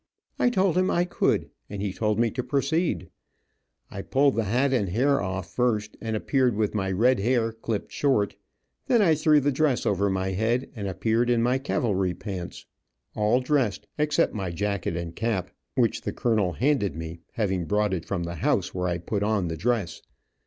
I told him I could and he told me to proceed. I pulled the hat and hair off first and appeared with my red hair clipped short. I then I threw the dress over my head, and appeared in my cavalry pants, all dressed, except my jacket and cap, which the colonel handed me, having brought it from the house where I put on the dress.